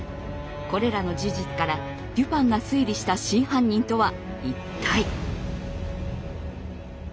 これらの事実からデュパンが推理した真犯人とは一体。